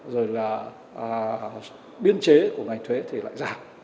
rồi là biên chế của ngành thuế thì lại giảm